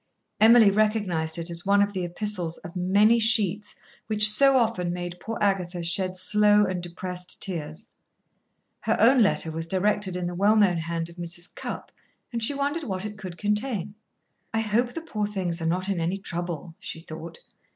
Emily recognised it as one of the epistles of many sheets which so often made poor Agatha shed slow and depressed tears. Her own letter was directed in the well known hand of Mrs. Cupp, and she wondered what it could contain. "I hope the poor things are not in any trouble," she thought.